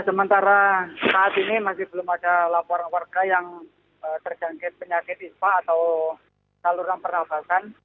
sementara saat ini masih belum ada laporan warga yang terjangkit penyakit ispa atau saluran pernafasan